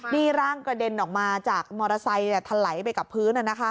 นี่ร่างกระเด็นออกมาจากมอเตอร์ไซค์ทะไหลไปกับพื้น